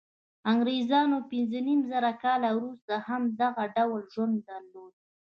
انګرېزانو پنځه نیم زره کاله وروسته هم دغه ډول ژوند درلود.